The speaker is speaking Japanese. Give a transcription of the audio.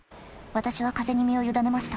私は風に身を委ねました。